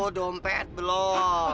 oh dompet belum